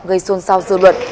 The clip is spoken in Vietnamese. gây xôn xao dư luận